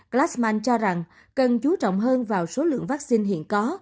plasman cho rằng cần chú trọng hơn vào số lượng vaccine hiện có